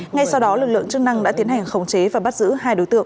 ngay sau đó lực lượng chức năng đã tiến hành khống chế và bắt giữ hai đối tượng